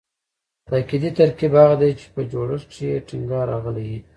تاکیدي ترکیب هغه دﺉ، چي په جوړښت کښي ئې ټینګار راغلی یي.